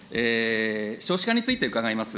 少子化について伺います。